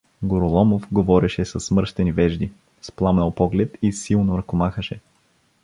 Гороломов говореше със смръщени вежди, с пламнал поглед и силно ръкомахаше.